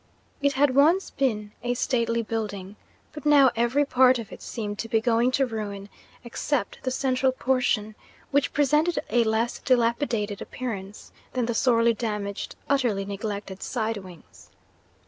It had once been a stately building, but now every part of it seemed to be going to ruin except the central portion, which presented a less dilapidated appearance than the sorely damaged, utterly neglected side wings.